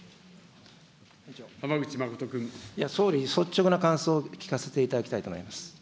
総理、率直な感想を聞かせていただきたいと思います。